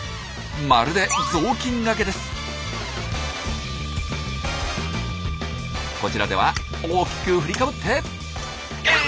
まるでこちらでは大きく振りかぶってえい！